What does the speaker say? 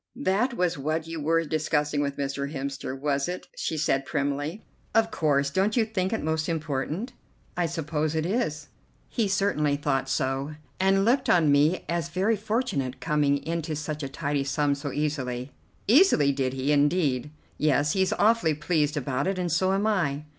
"That was what you were discussing with Mr. Hemster, was it?" she said primly. "Of course. Don't you think it most important?" "I suppose it is." "He certainly thought so, and looked on me as very fortunate coming into such a tidy sum so easily." "Easily! Did he, indeed?" "Yes, he's awfully pleased about it, and so am I."